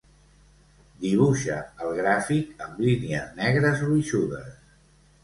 Dibuixa el gràfic amb línies negres gruixudes.